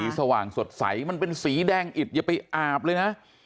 สว่างสดใสมันเป็นสีแดงอิดอย่าไปอาบเลยนะ